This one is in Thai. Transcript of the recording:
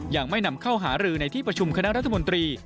ยังไม่นำเข้าหารือในที่ประชุมคณะรัฐมนตรี